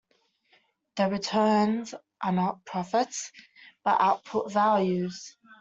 The "returns" are not profits, but output values.